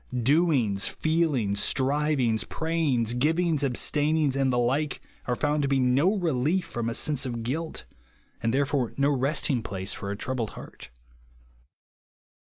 Doings, feelings, strivings, pra3'ings, giviiigs, abstainings, and the like, are found to be no relief from a sense of guilt, and, therefore, no resting place for a troubled heart.